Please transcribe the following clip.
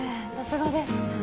さすがです。